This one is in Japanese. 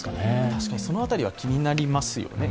確かに、その辺りは気になりますよね。